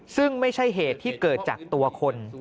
ซึ่งไม่ใช่เหตุที่เกิดจากตัวคน